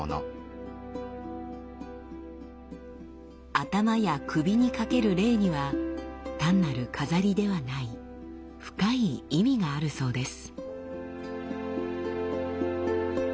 頭や首にかけるレイには単なる飾りではない深い意味があるそうです。